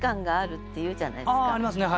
ああありますね。